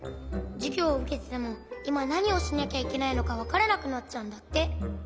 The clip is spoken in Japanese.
じゅぎょうをうけててもいまなにをしなきゃいけないのかわからなくなっちゃうんだって。